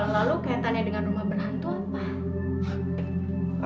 lalu kaitannya dengan rumah berhantu apa